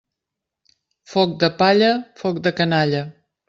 Foc de palla, foc de canalla.